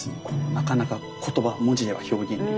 なかなか言葉文字では表現できない。